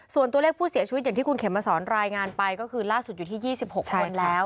ส่วนตัวเลขผู้เสียชีวิตรายงานไปล่าสุดอยู่ที่๒๖คน